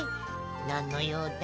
なんのようだ？